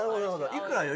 いくらよ？